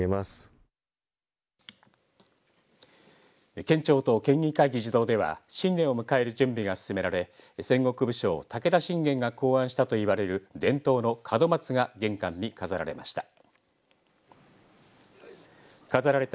県庁と県議会議事堂では新年を迎える準備が進められ戦国武将、武田信玄が考案したといわれる伝統の門松が玄関に飾られました。